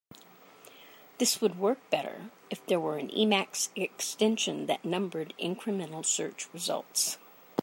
This would work better if there were an Emacs extension that numbered incremental search results.